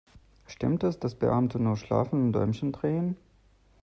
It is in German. Stimmt es, dass Beamte nur schlafen und Däumchen drehen?